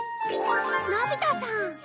のび太さん！